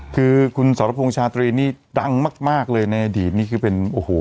คือคุณสรพงษ์ชาตรีนี่ดังมากเลยในอดีตนี่คือเป็นโอ้โห